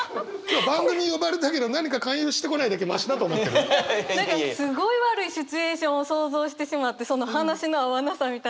番組呼ばれたけど何か何かすごい悪いシチュエーションを想像してしまってその話の合わなさみたいなのが。